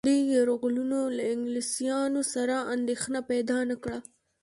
دې یرغلونو له انګلیسيانو سره اندېښنه پیدا نه کړه.